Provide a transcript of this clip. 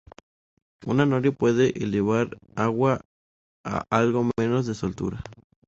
Una noria puede elevar agua a algo menos de su altura.